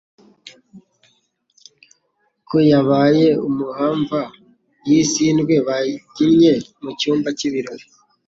ko yabaye umuhamva w'isindwe baginye mu cyumba cy'ibirori,